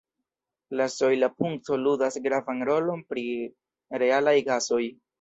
La sojla punkto ludas gravan rolon pri realaj gasoj.